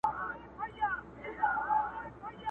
ټولوي رزق او روزي له لویو لارو،